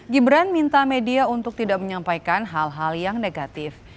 gibran minta media untuk tidak menyampaikan hal hal yang negatif